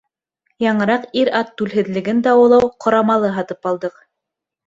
Яңыраҡ ир-ат түлһеҙлеген дауалау ҡорамалы һатып алдыҡ.